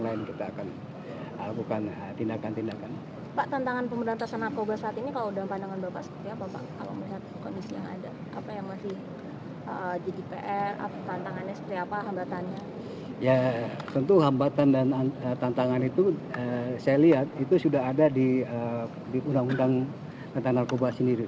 ya tentu hambatan dan tantangan itu saya lihat itu sudah ada di undang undang tentang narkoba sendiri